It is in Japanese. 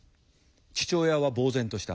父親はぼう然とした。